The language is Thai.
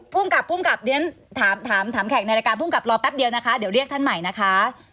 ภูมิกับภูมิกับเรียนถามแขกในรายการภูมิกับรอแป๊บเดียวนะคะเดี๋ยวเรียกท่านใหม่นะคะ